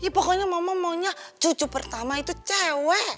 pokoknya mama maunya cucu pertama itu cewek